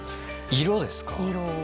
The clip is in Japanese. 色ですか。